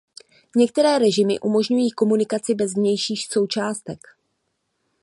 Některé režimy umožňují komunikaci bez vnějších součástek.